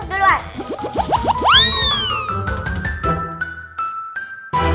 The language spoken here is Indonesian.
minta kalian masuk duluan